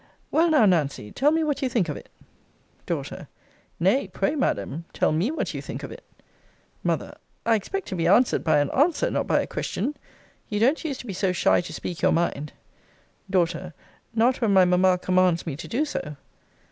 Well now, Nancy, tell me what you think of it. D. Nay, pray, Madam, tell me what you think of it. M. I expect to be answered by an answer; not by a question! You don't use to be so shy to speak your mind. D. Not when my mamma commands me to do so.